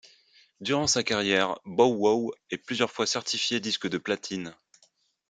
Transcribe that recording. Durant sa carrière, Bow Wow est plusieurs fois certifié disque de platine.